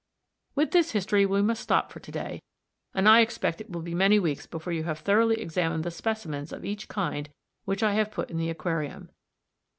With this history we must stop for to day, and I expect it will be many weeks before you have thoroughly examined the specimens of each kind which I have put in the aquarium.